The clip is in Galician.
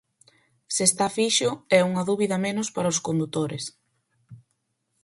Se está fixo é unha dúbida menos para os condutores.